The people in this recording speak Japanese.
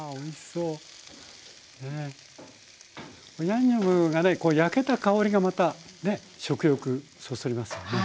ヤンニョムがね焼けた香りがまたね食欲そそりますよね。